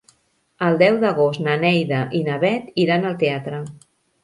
El deu d'agost na Neida i na Bet iran al teatre.